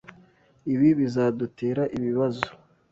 Ibi bizadutera ibibazo?